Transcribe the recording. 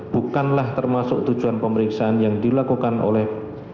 bukanlah termasuk tujuan pemeriksaan yang dilakukan oleh